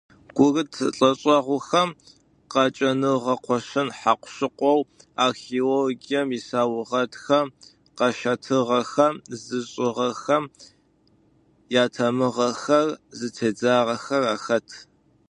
Гурыт лӏэшӏэгъухэм къакӏэныгъэ къошын хьакъу-шыкъоу археологием исаугъэтхэм къащатӏыгъэхэм зышӏыгъэхэм ятамыгъэхэр зытедзагъэхэр ахэт.